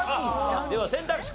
では選択肢